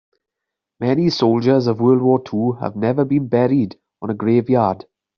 Many soldiers of world war two have never been buried on a grave yard.